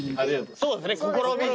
そうですね。